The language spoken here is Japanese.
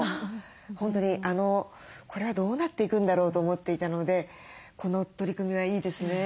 本当にこれはどうなっていくんだろうと思っていたのでこの取り組みはいいですね。